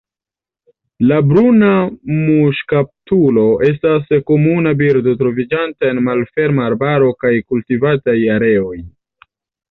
La Bruna muŝkaptulo estas komuna birdo troviĝanta en malferma arbaro kaj kultivataj areoj.